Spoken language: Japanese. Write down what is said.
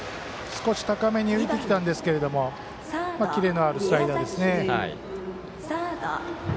少し高めに浮いてきたんですがキレのあるスライダーですね。